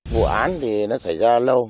vụ án thì nó xảy ra lâu